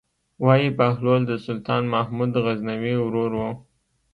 وايي بهلول د سلطان محمود غزنوي ورور و.